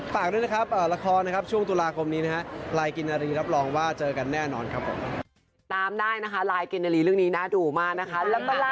แล้วก็ล่าสุดความหวานแต่นั้นอยู่ที่ฟูเกต